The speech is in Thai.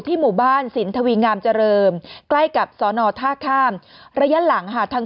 ที่หมู่บ้านสินทวีงามเจริมใกล้กับสนท่าข้ามระยะหลังทั้ง